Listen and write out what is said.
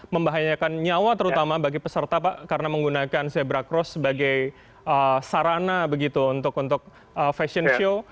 membahayakan nyawa terutama bagi peserta pak karena menggunakan zebra cross sebagai sarana begitu untuk fashion show